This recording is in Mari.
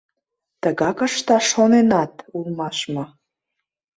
— Тыгак ышташ шоненат улмаш мо?